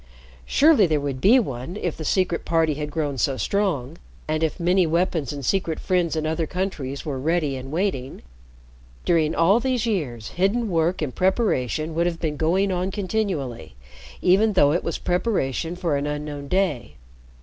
Surely there would be one if the Secret Party had grown so strong, and if many weapons and secret friends in other countries were ready and waiting. During all these years, hidden work and preparation would have been going on continually, even though it was preparation for an unknown day.